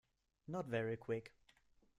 Not very Quick.